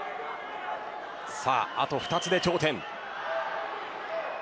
あと２つで頂点。